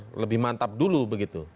harus lebih mantap dulu begitu